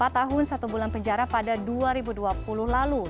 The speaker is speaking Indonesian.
empat tahun satu bulan penjara pada dua ribu dua puluh lalu